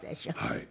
はい。